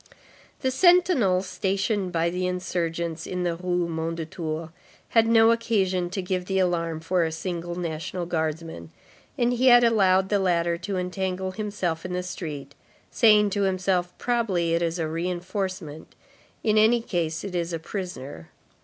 The sentinel stationed by the insurgents in the Rue Mondétour had no occasion to give the alarm for a single National Guardsman, and he had allowed the latter to entangle himself in the street, saying to himself: "Probably it is a reinforcement, in any case it is a prisoner."